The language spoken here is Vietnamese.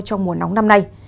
trong mùa nóng năm nay